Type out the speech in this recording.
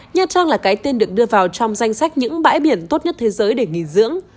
nha trang là cái tên được đưa vào trong danh sách những bãi biển tốt nhất thế giới để nghỉ dưỡng